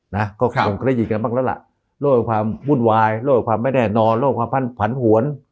นะก็คงเคยได้ยินกันบ้างแล้วล่ะโรคความวุ่นวายโรคความไม่แน่นอนโรคความพันผันหวน